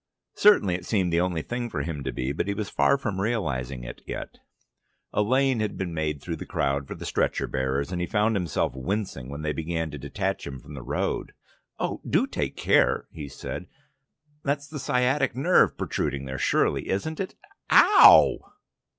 Certainly it seemed the only thing for him to be, but he was far from realising it yet. A lane had been made through the crowd for the stretcher bearers, and he found himself wincing when they began to detach him from the road. "Oh, do take care!" he said. "That's the sciatic nerve protruding there surely, isn't it? A ow!